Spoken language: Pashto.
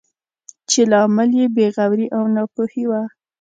چې لامل یې بې غوري او ناپوهي وه.